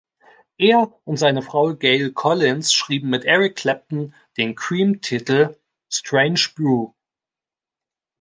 Er und seine Frau Gail Collins schrieben mit Eric Clapton den Cream-Titel „Strange Brew“.